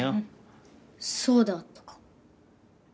そうであったか。